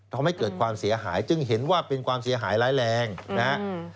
ทำให้เกิดความเสียหายจึงเห็นว่าเป็นความเสียหายร้ายแรงนะครับ